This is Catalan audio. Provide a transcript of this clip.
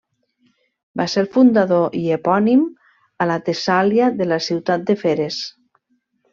Va ser el fundador i epònim, a la Tessàlia de la ciutat de Feres.